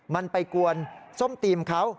มันไปกวนส้มตีมเขา